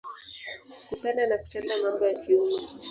Kupenda na kutenda mambo ya kiume.